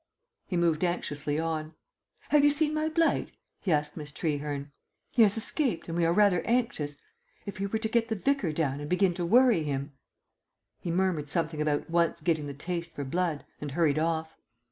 He moved anxiously on. "Have you seen my blight?" he asked Miss Trehearne. "He has escaped, and we are rather anxious. If he were to get the Vicar down and begin to worry him " He murmured something about "once getting the taste for blood" and hurried off.